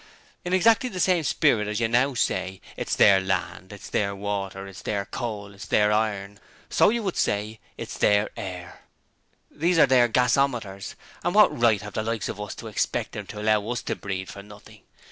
In exactly the same spirit as you now say: "It's Their Land," "It's Their Water," "It's Their Coal," "It's Their Iron," so you would say "It's Their Air," "These are their gasometers, and what right have the likes of us to expect them to allow us to breathe for nothing?"